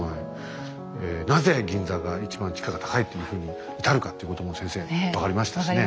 なぜ銀座が一番地価が高いっていうふうに至るかっていうことも先生分かりましたしね。